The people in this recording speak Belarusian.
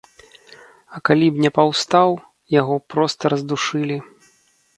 А калі б не паўстаў, яго б проста раздушылі.